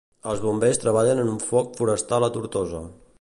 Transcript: Els Bombers treballen en un foc forestal a Tortosa.